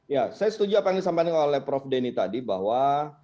ya saya setuju apa yang disampaikan oleh prof denny tadi bahwa